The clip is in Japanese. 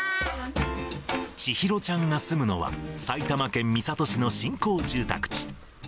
千尋ちゃんが住むのは、埼玉県三郷市の新興住宅地。